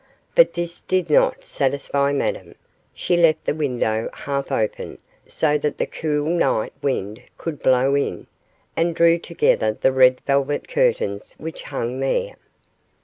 But this did not satisfy Madame; she left the window half open, so that the cool night wind could blow in, and drew together the red velvet curtains which hung there.